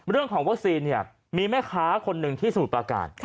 เรื่องของวัคซีนเนี่ยมีแม่ค้าคนหนึ่งที่สมุทรประการ